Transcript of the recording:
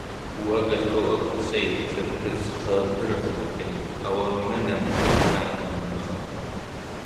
و ئەگەر تۆ ئەو کەسەیت کە پرخەپرخ دەکەیت، ئەوە منم کە ناتوانم بخەوم.